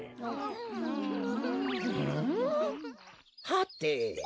はて。